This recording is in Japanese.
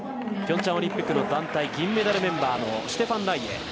ピョンチャンオリンピック団体金メダルメンバーのシュテファン・ライエ。